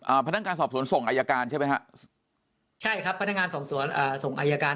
พนักงานสอบสวนส่งอายการใช่ไหมฮะใช่ครับพนักงานสอบสวนอ่าส่งอายการ